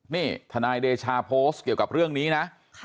นี่ทนายเดชาโพสต์เกี่ยวกับเรื่องนี้นะ